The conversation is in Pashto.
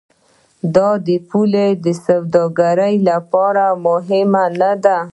آیا دا پوله د سوداګرۍ لپاره مهمه نه ده؟